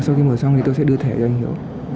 sau khi mở xong thì tôi sẽ đưa thẻ cho anh nhọ